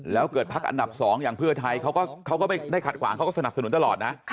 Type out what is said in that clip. แล้วเกิดพักอันดับ๒อย่างเพื่อไทยเขาก็ไม่ได้ขัดขวางเขาก็สนับสนุนตลอดนะ